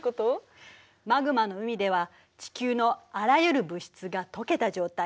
マグマの海では地球のあらゆる物質が溶けた状態。